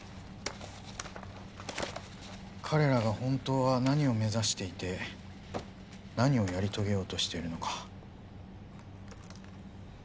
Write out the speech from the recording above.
彼らが本当は何を目指していて何をやり遂げようとしているのか。